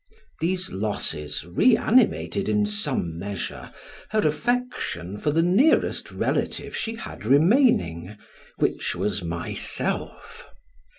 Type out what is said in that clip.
These losses reanimated in some measure her affection for the nearest relative she had remaining, which was myself.